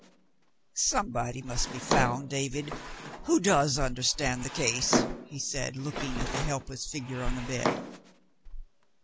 "Somebody must be found, David, who does understand the case," he said, looking at the helpless figure on the bed.